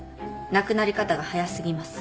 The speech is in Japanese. なくなり方が早過ぎます。